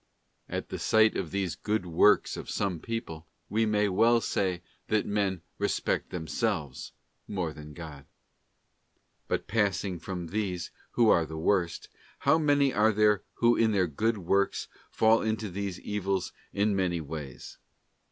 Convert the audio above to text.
At the sight of these good works of some people, we may well say that men respect themselves more than God. But passing from these who are the worst, how many are there who in their good works fall into these evils in many ways?